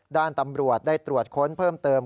ด้านตำรวจได้ตรวจค้นเพิ่มเติม